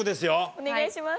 お願いします。